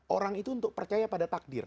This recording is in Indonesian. orang itu untuk percaya pada takdir